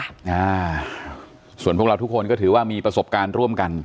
อ่าส่วนพวกเราทุกคนก็ถือว่ามีประสบการณ์ร่วมกัน